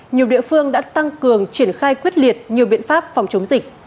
nhiều địa phương đã tăng cường triển khai quyết liệt nhiều biện pháp phòng chống dịch